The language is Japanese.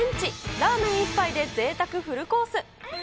ラーメン１杯でぜいたくフルコース。